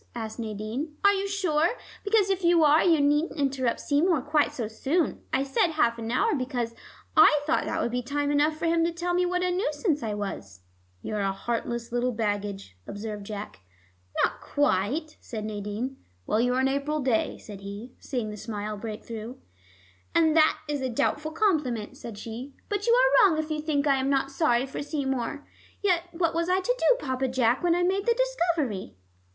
asked Nadine. "Are you sure? Because if you are, you needn't interrupt Seymour quite so soon. I said half an hour, because I thought that would be time enough for him to tell me what a nuisance I was " "You're a heartless little baggage," observed Jack. "Not quite," said Nadine. "Well, you're an April day," said he, seeing the smile break through. "And that is a doubtful compliment," said she. "But you are wrong if you think I am not sorry for Seymour. Yet what was I to do, Papa Jack, when I made The Discovery?"